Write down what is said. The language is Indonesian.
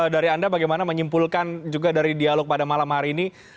dari anda bagaimana menyimpulkan juga dari dialog pada malam hari ini